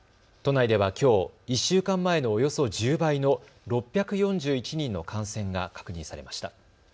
都内ではきょう、１週間前のおよそ１０倍の６４１人の感染が確認されました。